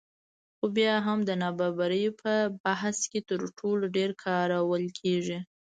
خو بیا هم د نابرابرۍ په بحث کې تر ټولو ډېر کارول کېږي